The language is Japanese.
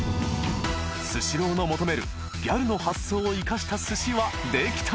［スシローの求めるギャルの発想を生かしたすしはできたのか？］